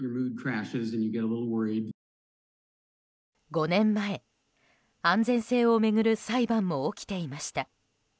５年前、安全性を巡る裁判も起きていました。